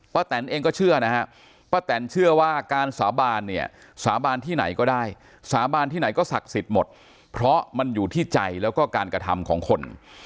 แตนเองก็เชื่อนะฮะป้าแตนเชื่อว่าการสาบานเนี่ยสาบานที่ไหนก็ได้สาบานที่ไหนก็ศักดิ์สิทธิ์หมดเพราะมันอยู่ที่ใจแล้วก็การกระทำของคน